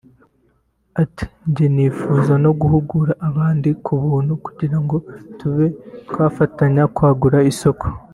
Ati “Jye nifuza no guhugura abandi ku buntu kugira ngo tube twafatanya kwagura isoko